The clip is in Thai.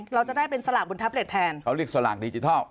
เราจะได้เป็นสลากบนแท็บเล็ตแทนเขาเรียกสลากดิจิทัล